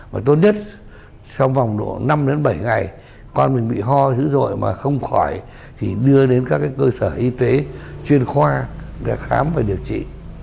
và tốt nhất trong vòng độ năm bảy ngày con mình bị ho dữ dội mà không khỏi thì đưa đến các cơ sở y tế chuyên khoa để khám và điều trị